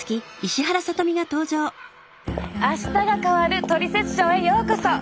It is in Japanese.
「あしたが変わるトリセツショー」へようこそ！